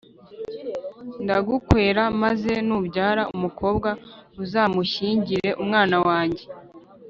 Ndagukwera, maze nubyara umukobwa uzamushyingire umwana wange